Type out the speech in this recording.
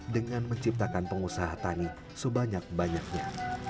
dengan menciptakan pengusaha tani sebanyak banyaknya